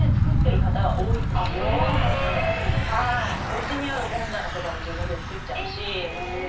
うちにある本棚とかも自分で作っちゃうし。